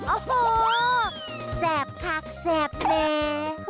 โอ้โหแซ่บคักแซ่บแน่